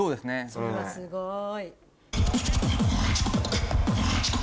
それはすごい。